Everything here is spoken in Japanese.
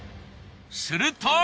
すると。